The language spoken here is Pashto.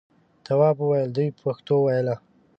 تواب وویل دوی پښتو ویله.